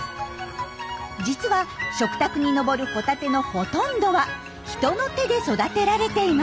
実は食卓に上るホタテのほとんどは人の手で育てられています。